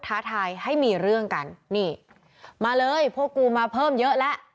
ท้าทายให้มีเรื่องกันนี่มาเลยพวกกูมาเพิ่มเยอะแล้ว